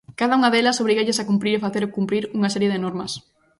Cada unha delas obrígalles a cumprir e facer cumprir unha serie de normas.